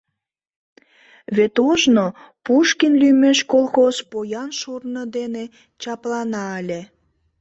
Вет ожно Пушкин лӱмеш колхоз поян шурно дене чаплана ыле.